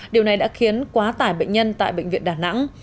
điều này đã khiến quá tải bệnh nhân tại bệnh viện đà nẵng